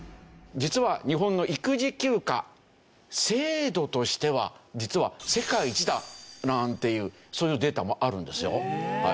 実は日本の育児休暇制度としては実は世界一だなんていうそういうデータもあるんですよ。